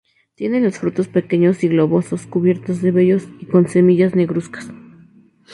Tiene los frutos pequeños y globosos, cubiertos de vellos y con semillas negruzcas.